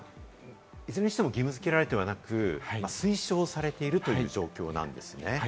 いずれにしても義務付けられてはいなく、推奨されているという状況なんですね。